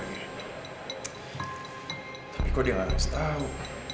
tapi kok dia harus tahu